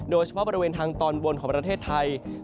โดยเฉพาะบริเวณทางตอนบนของประเทศไทย